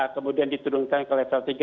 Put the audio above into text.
kemudian diturunkan ke level tiga